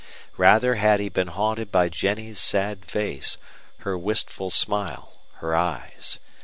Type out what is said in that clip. Rather had he been haunted by Jennie's sad face, her wistful smile, her eyes.